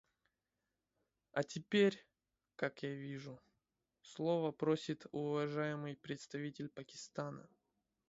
А теперь, как я вижу, слова просит уважаемый представитель Пакистана.